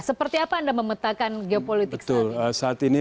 seperti apa anda memetakan geopolitik saat ini